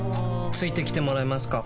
付いてきてもらえますか？